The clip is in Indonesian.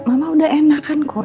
mama udah enak kan kok